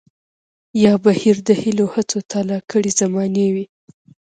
يا بهير د هيلو هڅو تالا کړے زمانې وي